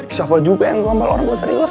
ih siapa juga yang gombal orang gua serius